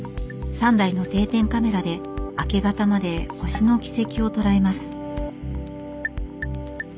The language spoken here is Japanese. ３台の定点カメラで明け方まで星の軌跡を捉えます。